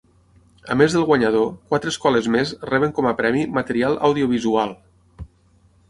A més del guanyador, quatre escoles més reben com a premi material audiovisual.